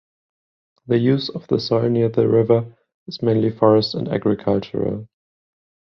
The use of the soil near the river is mainly forest and agricultural.